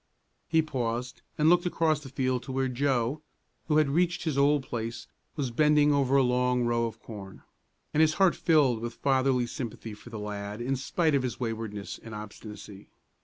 He paused, and looked across the field to where Joe, who had reached his old place, was bending over a long row of corn; and his heart filled with fatherly sympathy for the lad in spite of his waywardness and obstinacy.